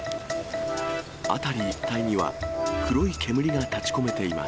辺り一帯には、黒い煙が立ちこめています。